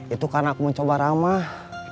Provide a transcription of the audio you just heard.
itu karena aku mencoba ramah